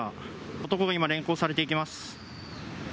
男が今、連行されていきます。